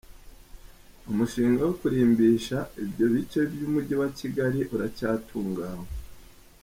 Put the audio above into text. Umushinga wo kurimbisha ibyo bice by’umujyi wa Kigali uracyatunganywa.